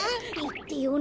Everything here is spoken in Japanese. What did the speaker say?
いってよ。